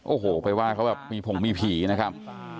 โอ้โหไปว่าเขาแบบมีผงมีผีนะครับ